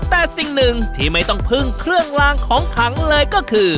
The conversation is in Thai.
แต่สิ่งหนึ่งที่ไม่ต้องพึ่งเครื่องลางของขังเลยก็คือ